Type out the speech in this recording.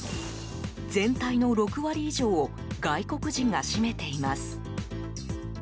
全体の６割以上を外国人が占めています。